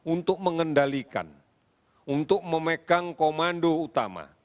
untuk mengendalikan untuk memegang komando utama